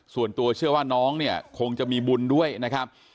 ส่วนตัวเชื่อว่าน้องเนี่ยคงจะมีบุญด้วยนะครับ